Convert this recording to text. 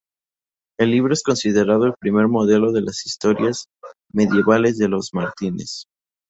El libro es considerado el primer modelo de las historias medievales de los mártires.